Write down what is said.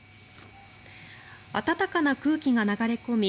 暖かな空気が流れ込み